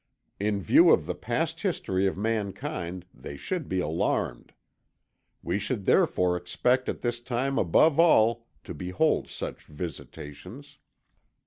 In view of the past history of mankind, they should be alarmed. We should therefore expect at this time above all to behold such visitations.